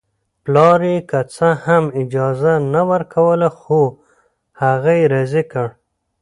پلار یې که څه هم اجازه نه ورکوله خو هغه یې راضي کړ